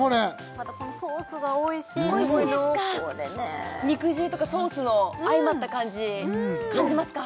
またこのソースがおいしい濃厚でね肉汁とかソースの相まった感じ感じますか？